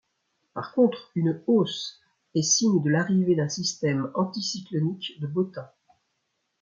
Par contre, une hausse est signe de l'arrivée d'un système anticyclonique de beau temps.